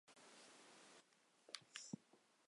买了青森苹果